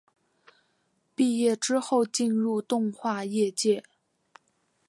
毕业之后进入动画业界。